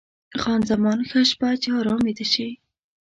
خان زمان: ښه شپه، چې ارام ویده شې.